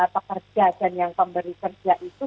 pekerja dan yang pemberi kerja itu